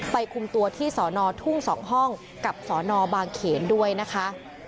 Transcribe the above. คุมตัวที่สอนอทุ่ง๒ห้องกับสนบางเขนด้วยนะคะ